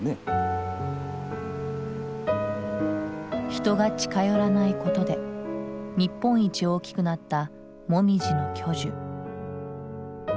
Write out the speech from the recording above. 人が近寄らないことで日本一大きくなったモミジの巨樹。